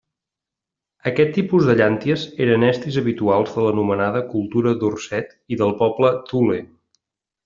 Aquest tipus de llànties eren estris habituals de l'anomenada cultura Dorset i del poble Thule.